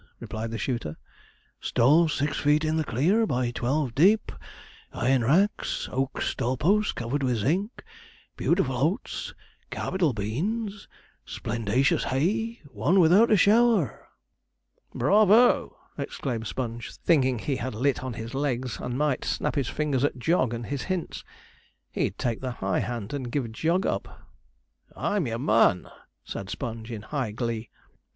replied the shooter; 'stalls six feet in the clear, by twelve dip (deep), iron racks, oak stall posts covered with zinc, beautiful oats, capital beans, splendacious hay won without a shower!' 'Bravo!' exclaimed Sponge, thinking he had lit on his legs, and might snap his fingers at Jog and his hints. He'd take the high hand, and give Jog up. 'I'm your man!' said Sponge, in high glee.